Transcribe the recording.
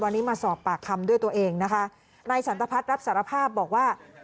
วันนี้มาสอบปากคำด้วยตัวเองนะคะนายสันตพัฒน์รับสารภาพบอกว่า